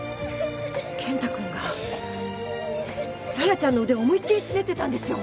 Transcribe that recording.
健太君が羅羅ちゃんの腕を思いっ切りつねってたんですよ。